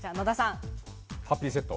ハッピーセット。